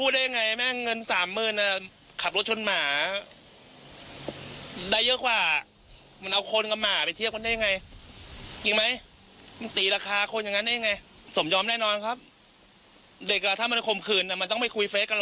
เด็กอาท่านมันข่มขืนมันต้องไปคุยเฟซกันหรอก